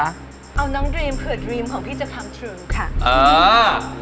เอาน้องดรีมเผื่อดรีมของพี่จะทำถึง